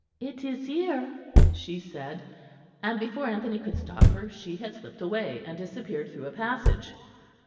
"It is here," she said; and before Anthony could stop her she had slipped away and disappeared through a passage.